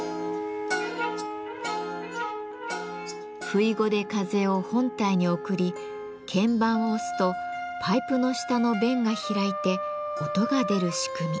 「ふいご」で風を本体に送り鍵盤を押すとパイプの下の弁が開いて音が出る仕組み。